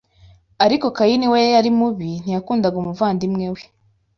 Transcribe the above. Ariko Kayini we yari mubi; ntiyakundaga umuvandimwe we